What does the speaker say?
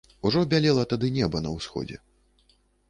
Ужо бялела тады неба на ўсходзе.